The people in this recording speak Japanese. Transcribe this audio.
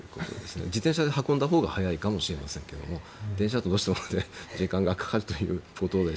自転車で運んだほうが早いかもしれませんけども電車だと、どうしても時間がかかるということで。